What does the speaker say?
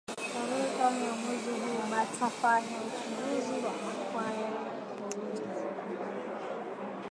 Tarehe tano ya mwezi huu bata fanya uchunguzi wa ma kwaya ya kolwezi